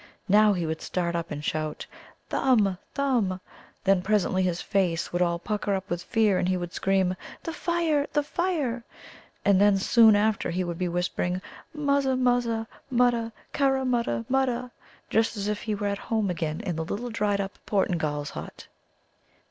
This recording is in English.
Now he would start up and shout, "Thumb, Thumb!" then presently his face would all pucker up with fear, and he would scream, "The fire, the fire!" and then soon after he would be whispering, "Muzza, muzza, mutta; kara mutta, mutta!" just as if he were at home again in the little dried up Portingal's hut.